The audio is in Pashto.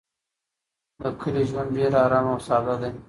د کلي ژوند ډېر ارام او ساده دی.